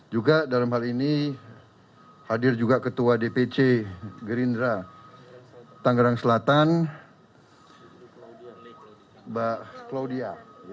juga dalam hal ini hadir juga ketua dpc gerindra tangerang selatan mbak claudia